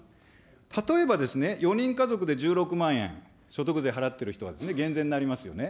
例えば、４人家族で１６万円、所得税払ってる人は、減税になりますよね。